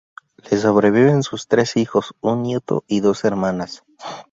Le sobreviven sus tres hijos, un nieto y dos hermanas.